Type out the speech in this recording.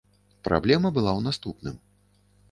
Праблема была ў наступным.